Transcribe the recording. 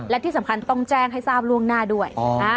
และที่สำคัญต้องแจ้งให้ทราบล่วงหน้าด้วย